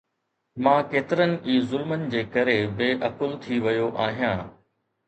مان ڪيترن ئي ظلمن جي ڪري بي عقل ٿي ويو آهيان